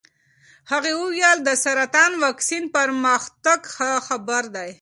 هغې وویل د سرطان واکسین پرمختګ ښه خبر دی.